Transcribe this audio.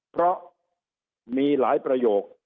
เพราะมีหลายประโยค